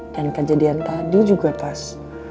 dan kejadian tadi juga pas